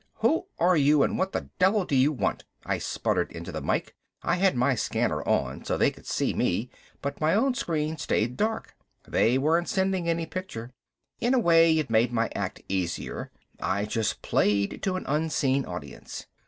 "Who are you and what the devil do you want?" I spluttered into the mike. I had my scanner on, so they could see me, but my own screen stayed dark. They weren't sending any picture. In a way it made my act easier, I just played to an unseen audience.